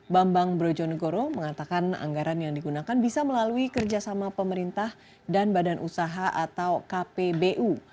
bambang brojonegoro mengatakan anggaran yang digunakan bisa melalui kerjasama pemerintah dan badan usaha atau kpbu